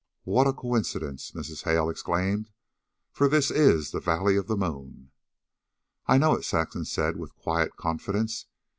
"What a coincidence!" Mrs. Hale exclaimed. "For this is the Valley of the Moon." "I know it," Saxon said with quiet confidence.